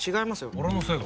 俺のせいか？